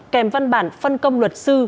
kèm văn bản phân công luật sư